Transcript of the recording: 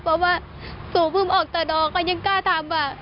เพราะว่าหนูเพิ่งออกตะนอกเค้ายังกล้าทำอ่ะ